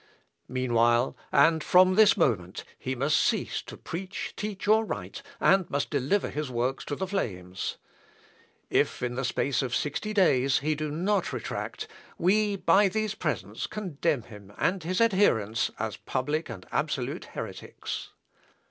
Meanwhile, and from this moment, he must cease to preach, teach, or write, and must deliver his works to the flames. If, in the space of sixty days, he do not retract, we, by these presents, condemn him and his adherents as public and absolute heretics."